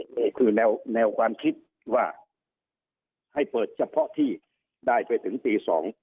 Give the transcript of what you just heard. นี่คือแนวความคิดว่าให้เปิดเฉพาะที่ได้ไปถึงตี๒